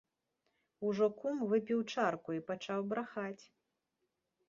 Ужо, кум, выпіў чарку і пачаў брахаць.